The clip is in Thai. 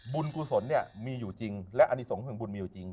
กุศลเนี่ยมีอยู่จริงและอนิสงฆ์บุญมีอยู่จริง